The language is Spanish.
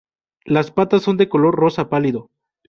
Las patas son de color rosa pálido.